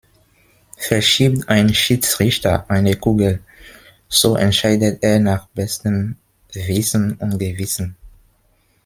Verschiebt ein Schiedsrichter eine Kugel, so entscheidet er nach bestem Wissen und Gewissen.